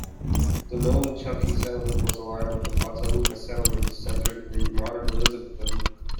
The Nolichucky settlement was aligned with the Watauga settlement, centered in modern Elizabethton.